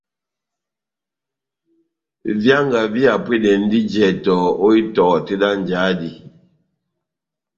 Výanga vihapwedɛndi jɛtɔ ó itɔhɔ tɛ́h dá njáhá dí.